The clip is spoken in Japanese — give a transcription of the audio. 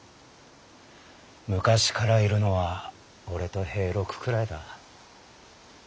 昔からいるのは俺と平六くらいだ。